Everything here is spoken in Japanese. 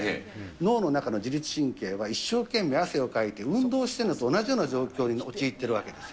脳の中の自律神経は一生懸命汗をかいて、運動しているのと同じような状況に陥っているわけです。